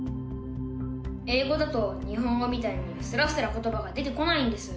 英語だと日本語みたいにすらすらことばが出てこないんです。